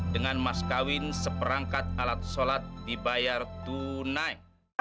dengan mas kawin seperangkat alat sholat dibayar tunai